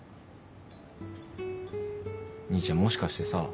兄ちゃんもしかしてさ。